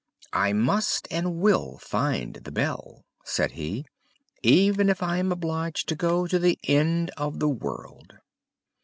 "I must and will find the bell," said he, "even if I am obliged to go to the end of the world."